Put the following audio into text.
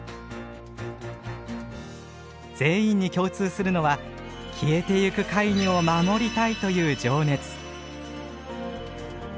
全員に共通するのは消えてゆくカイニョを守りたいという情熱。